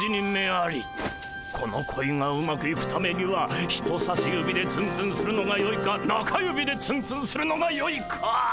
この恋がうまくいくためには人さし指でツンツンするのがよいか中指でツンツンするのがよいか。